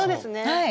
はい。